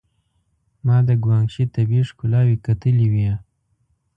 ما د ګوانګ شي طبيعي ښکلاوې کتلې وې.